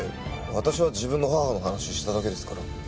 私は自分の母の話しただけですから。